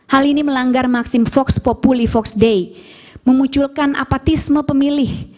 hal ini melanggar maksim fox populi fox day memunculkan apatisme pemilih